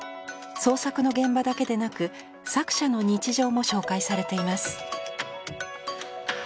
創作の現場だけでなく作者の日常も紹介されています。